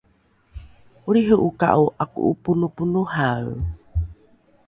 olriho’oka’o ’ako’oponoponohae?